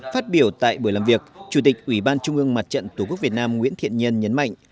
phát biểu tại buổi làm việc chủ tịch ủy ban trung ương mặt trận tổ quốc việt nam nguyễn thiện nhân nhấn mạnh